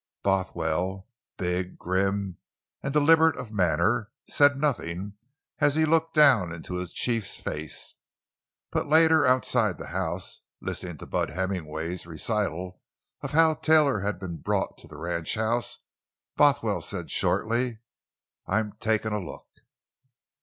Bothwell—big, grim, and deliberate of manner—said nothing as he looked down into his chief's face. But later, outside the house, listening to Bud Hemmingway's recital of how Taylor had been brought to the ranchhouse, Bothwell said shortly: "I'm takin' a look!"